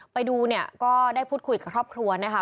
ไปดูเนี่ยก็ได้พูดคุยกับครอบครัวนะคะ